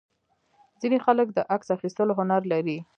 ځینې خلک د عکس اخیستلو هنر لري.